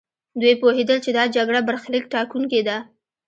دوی پوهېدل چې دا جګړه برخليک ټاکونکې ده.